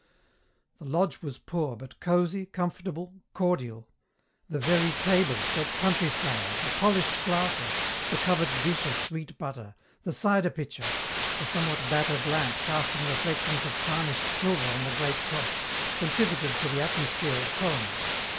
The lodge was poor, but cosy, comfortable, cordial. The very table, set country style, the polished glasses, the covered dish of sweet butter, the cider pitcher, the somewhat battered lamp casting reflections of tarnished silver on the great cloth, contributed to the atmosphere of home.